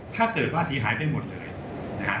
ถ้าเกิดว่าเสียหายไปหมดเลยนะฮะ